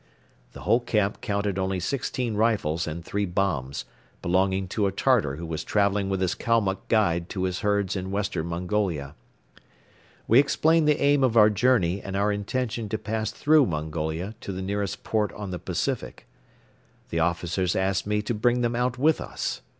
The whole camp counted only sixteen rifles and three bombs, belonging to a Tartar who was traveling with his Kalmuck guide to his herds in Western Mongolia. We explained the aim of our journey and our intention to pass through Mongolia to the nearest port on the Pacific. The officers asked me to bring them out with us.